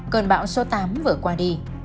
cơn bão số tám vừa qua đi